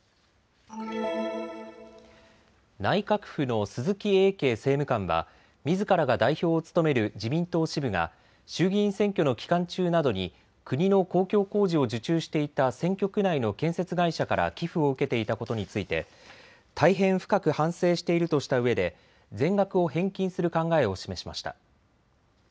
内閣府の鈴木英敬政務官はみずからが代表を務める自民党支部が衆議院選挙の期間中などに国の公共工事を受注していた選挙区内の建設会社から寄付を受けていたことについて、大変深く反省しているとしたうえで全額を返金する考えを示しました。